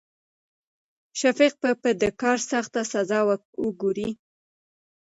شفيق به په د کار سخته سزا وګوري.